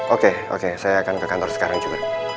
oke oke saya akan ke kantor sekarang juga